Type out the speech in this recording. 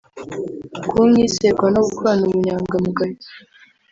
kuba umwizerwa no gukorana ubunyangamugayo